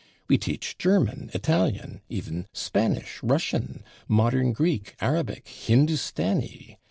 We teach German, Italian, even Spanish, Russian, modern Greek, Arabic, Hindustani.